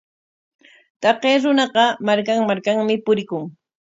Taqay runaqa markan markanmi purikun.